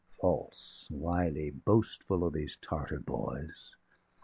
False, wily, boastful, are these Tartar boys.